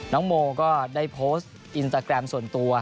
น้องโมก็ได้โพสต์อินสตาแกรมส่วนตัว